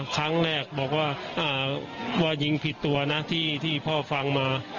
ครั้งแรกบอกว่ายิงผิดตัวนะที่พ่อฟังมา